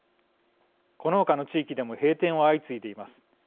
この他の地域でも閉店は相次いでいます。